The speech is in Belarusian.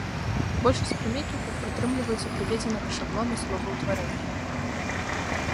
Большасць прыметнікаў прытрымліваюцца прыведзенага шаблона словаўтварэння.